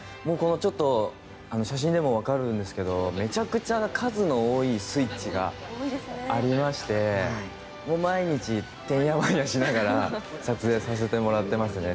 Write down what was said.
ちょっと写真でもわかるんですがめちゃくちゃ数の多いスイッチがありまして毎日てんやわんやしながら撮影させてもらってますね。